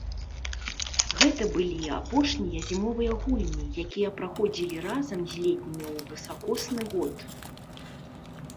Гэта былі апошнія зімовыя гульні, якія праходзілі разам з летнімі ў высакосны год.